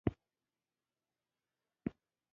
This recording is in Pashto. په دې ورځ غرمه ډاکټر نجیب الله کره مېلمه وم.